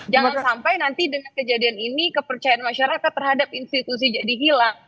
jangan sampai nanti dengan kejadian ini kepercayaan masyarakat terhadap institusi jadi hilang